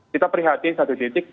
kita perhatikan satu titik